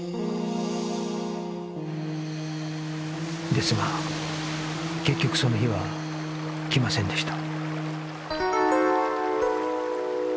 ですが結局その日は来ませんでした